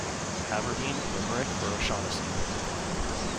Aberdeen, Limerick or O'Shaughnessy.